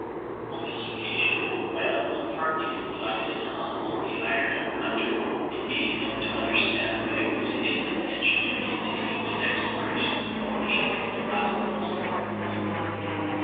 On this occasion, my uncle partly confided in Hans, the eider duck hunter, and gave him to understand that it was his intention to continue his exploration of the volcano to the last possible limits.